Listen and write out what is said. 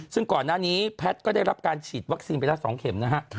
ซึ่งก่อนหน้านี้แพทย์ก็ได้รับการฉีดวัคซีนไปแล้ว๒เข็มนะฮะ